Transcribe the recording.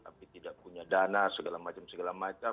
tapi tidak punya dana segala macam segala macam